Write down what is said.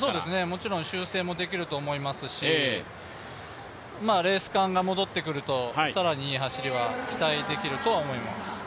もちろん修正もできると思いますし、レース感が戻ってくると更にいい走りは期待でいいると思います。